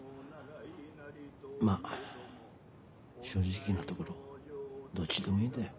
まぁ正直なところどっちでもいいんだよ。